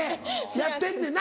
やってんねんな。